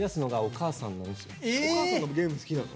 お母さんとかもゲーム好きなの？